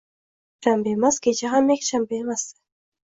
Ertaga yakshanba emas, kecha ham yakshanba emasdi